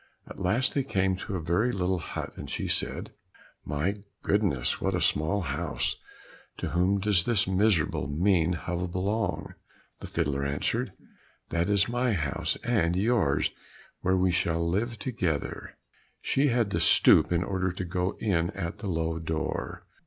At last they came to a very little hut, and she said, "Oh goodness! what a small house; to whom does this miserable, mean hovel belong?" The fiddler answered, "That is my house and yours, where we shall live together." She had to stoop in order to go in at the low door.